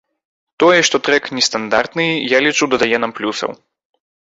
Тое, што трэк нестандартны, я лічу, дадае нам плюсаў.